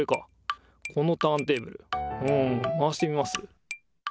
うん回してみます？